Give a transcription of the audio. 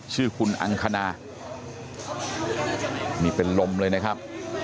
ชื่อคุณอังคณานี่เป็นลมเลยนะครับ